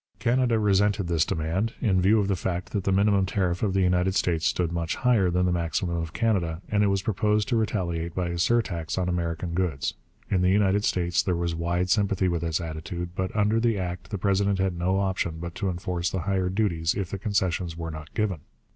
Canada resented this demand, in view of the fact that the minimum tariff of the United States stood much higher than the maximum of Canada, and it was proposed to retaliate by a surtax on American goods. In the United States there was wide sympathy with this attitude; but under the act the president had no option but to enforce the higher duties if the concessions were not given.